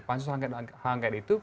pansus rangkaian itu